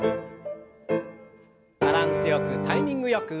バランスよくタイミングよく。